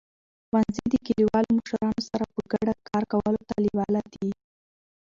ښوونځي د کلیوالو مشرانو سره په ګډه کار کولو ته لیواله دي.